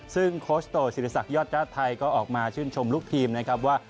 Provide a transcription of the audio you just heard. ซึ่งโคชโตศิริษักยอดญาติไทยก็ออกมาชื่นชมลูกทีมนะครับว่า